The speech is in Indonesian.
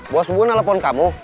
bos bubun nelfon kamu